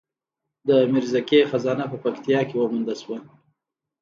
د میرزکې خزانه په پکتیا کې وموندل شوه